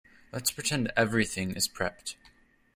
Let's pretend everything is prepped.